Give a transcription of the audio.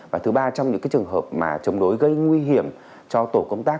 và thứ ba trong những trường hợp mà chống đối gây nguy hiểm cho tổ công tác